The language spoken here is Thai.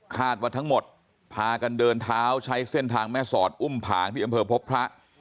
ว่าทั้งหมดพากันเดินเท้าใช้เส้นทางแม่สอดอุ้มผางที่อำเภอพบพระ